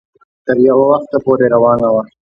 تر يو وخته پورې روانه وه